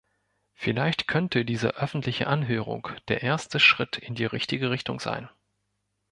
Vielleicht könnte diese öffentliche Anhörung der erste Schritt in die richtige Richtung sein.